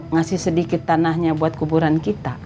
ngasih sedikit tanahnya buat kuburan kita